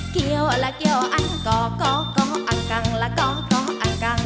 เกี่ยวลากี่าอันกอกเก่าอังกังละกองกัง